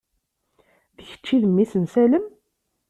D kečč i d mmi-s n Salem?